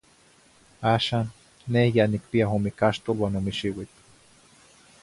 Axan neh ya nicpiya ome caxtol uan ome xiuitl.